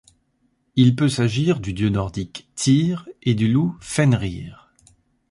Il peut s'agir du dieu nordique Týr et du loup Fenrir.